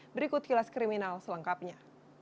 berikut kilas kriminal selengkapnya